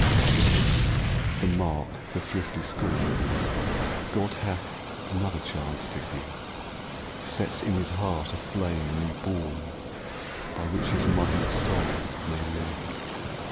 To him, the mark for thrifty scorn, God hath another chance to give, Sets in his heart a flame new born By which his muddied soul may live.